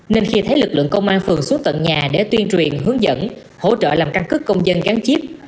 nên khi thấy lực lượng công an phường xuống tận nhà để tuyên truyền hướng dẫn hỗ trợ làm căn cứ công dân gắn chip